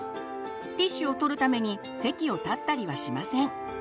ティッシュを取るために席を立ったりはしません。